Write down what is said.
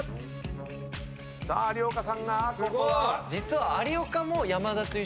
さあ有岡さんがここは。